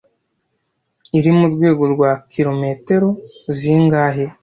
iri murwego rwa kilometero zingahe